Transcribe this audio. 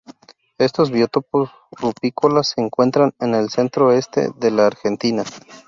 Estos biotopos rupícolas se encuentran en el centro-este de la Argentina.